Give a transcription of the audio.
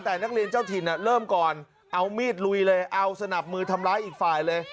แต่นักเรียนเจ้าถิ่นเริ่มก่อนเอามีดลุยเลยเอาสนับมือทำร้ายอีกฝ่ายเลย